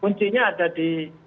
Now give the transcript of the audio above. kuncinya ada di